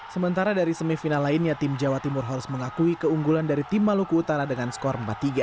sementara dari semifinal lainnya tim jawa timur harus mengakui keunggulan dari tim maluku utara dengan skor empat tiga